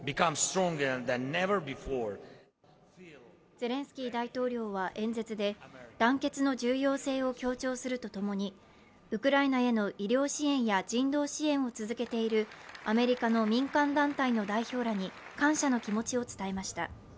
ゼレンスキー大統領は演説で団結の重要性を強調するとともにウクライナへの医療支援や人道支援を続けているアメリカの民間団体の代表らに感謝の気持ちを伝えました。